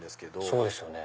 そうですよね。